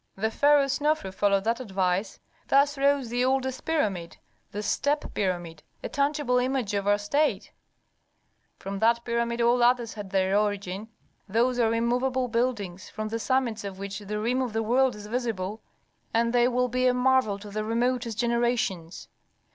"The Pharaoh Snofru followed that advice. Thus rose the oldest pyramid, the step pyramid, a tangible image of our state; from that pyramid all others had their origin. Those are immovable buildings, from the summits of which the rim of the world is visible, and they will be a marvel to the remotest generations.